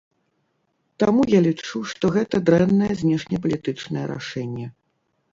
Таму я лічу, што гэта дрэннае знешнепалітычнае рашэнне.